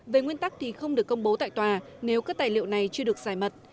về nguyên tắc thì không được công bố tại tòa nếu các tài liệu này chưa được giải mật